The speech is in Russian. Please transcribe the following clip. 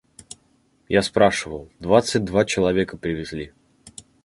Я спрашивал: двадцать два человека привезли.